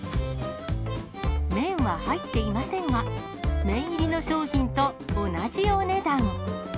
麺は入っていませんが、麺入りの商品と同じお値段。